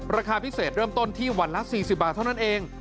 ราคาพิเศษเริ่มต้นที่วันละ๔๐บาทเท่านั้นเอง